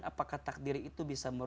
apakah takdir itu bisa